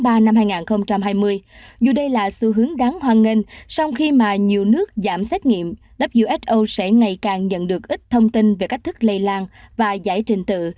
từ tháng ba năm hai nghìn hai mươi dù đây là xu hướng đáng hoan nghênh sau khi mà nhiều nước giảm xét nghiệm who sẽ ngày càng nhận được ít thông tin về cách thức lây lan và giải trình tự